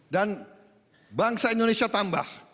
dan bangsa indonesia tambah